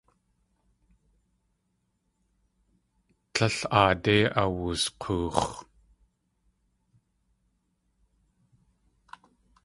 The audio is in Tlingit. Tlél aadé awusk̲oox̲.